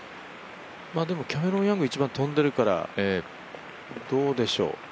でもキャメロン・ヤング一番飛んでるから、どうでしょう。